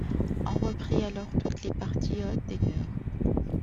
On reprit alors toutes les parties hautes des murs.